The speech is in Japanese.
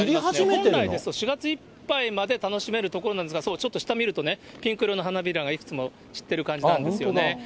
本来ですと、４月いっぱいまで楽しめるところなんですが、ちょっと下見るとね、ピンク色の花びらがいくつも散ってる感じなんですよね。